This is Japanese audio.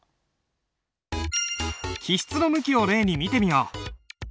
起筆の向きを例に見てみよう。